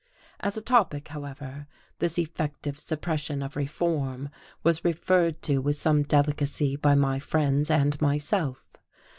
As a topic, however, this effective suppression of reform was referred to with some delicacy by my friends and myself.